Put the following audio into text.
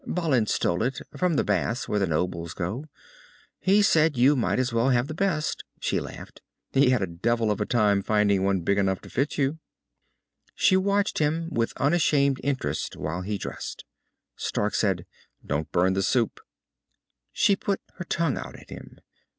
"Balin stole it from the baths where the nobles go. He said you might as well have the best." She laughed. "He had a devil of a time finding one big enough to fit you." She watched with unashamed interest while he dressed. Stark said, "Don't burn the soup." She put her tongue out at him.